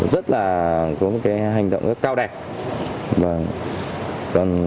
rất là có một hành động rất cao đẹp